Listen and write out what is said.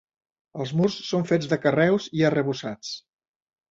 Els murs són fets de carreus i arrebossats.